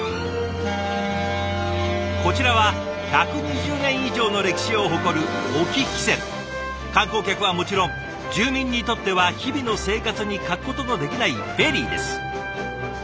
こちらは１２０年以上の歴史を誇る観光客はもちろん住民にとっては日々の生活に欠くことのできないフェリーです。